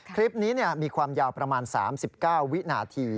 คลิปนี้มีความยาวประมาณ๓๙วินาที